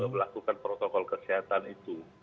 melakukan protokol kesehatan itu